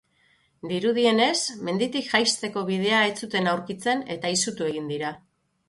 Dirudienez, menditik jaisteko bidea ez zuten aurkitzen, eta izutu egin dira.